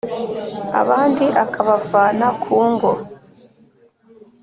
abandi akabavana ku ngo,